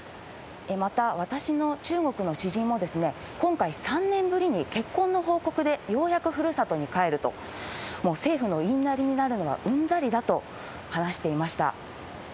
また、私の中国の知人も今回、３年ぶりに結婚の報告でようやくふるさとに帰ると、もう政府の言いなりになるのはうんざりだと話していました。